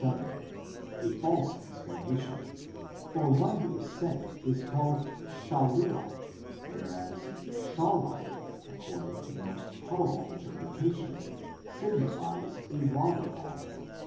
7); a false explanation, for one who is sent is called mov, whereas ?¥ according to the most probable interpretation signifies a waterfall.